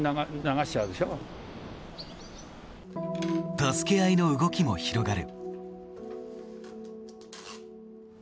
助け合いの動きも広がる。